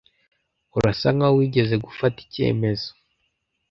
Urasa nkaho wigeze gufata icyemezo.